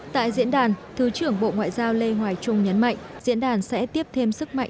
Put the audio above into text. tại diễn đàn thứ trưởng bộ ngoại giao lê hoài trung nhấn mạnh diễn đàn sẽ tiếp thêm sức mạnh